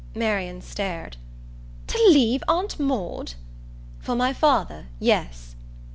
Marian stared. "To leave Aunt Maud ?" "For my father, yes."